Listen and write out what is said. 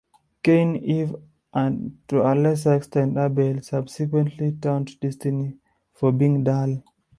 Cain, Eve, and to a lesser extent, Abel, subsequently taunt Destiny for being dull.